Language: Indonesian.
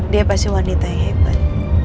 dia pasti wanita yang hebat